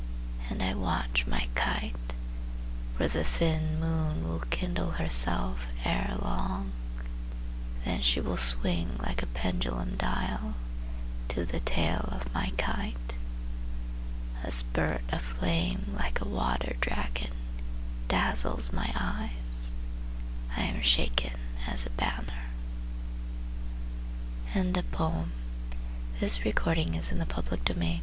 And I watch my kite, For the thin moon will kindle herself ere long, Then she will swing like a pendulum dial To the tail of my kite. A spurt of flame like a water dragon Dazzles my eyes— I am shaken as a banner! Jonathan Houghton There is the caw of a cro